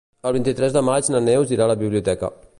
El vint-i-tres de maig na Neus irà a la biblioteca.